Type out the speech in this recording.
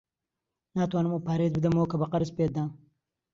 ناتوانم ئەو پارەیەت بدەمەوە کە بە قەرز پێت دام.